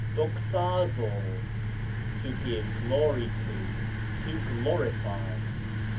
δοξάζω, to give glory to, to glorify.